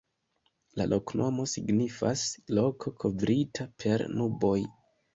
La loknomo signifas: "Loko kovrita per nuboj".